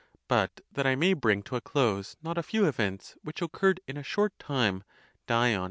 But, that 1 may bring to a close not a few events ? which occurred in a short time,? Dion